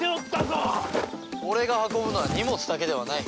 俺が運ぶのは荷物だけではない。